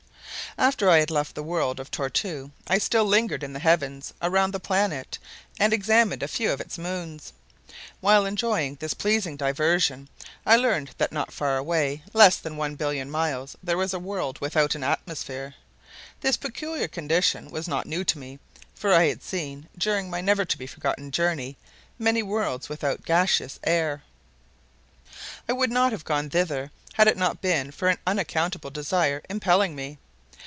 After I had left the world of Tor tu I still lingered in the heavens around the planet and examined a few of its moons. While enjoying this pleasing diversion, I learned that not far away, less than one billion miles, there was a world without an atmosphere. This peculiar condition was not new to me, for I had seen, during my never to be forgotten journey, many worlds without gaseous air. I would not have gone thither had it not been for an unaccountable desire impelling me.